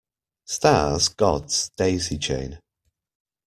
Stars God's daisy chain.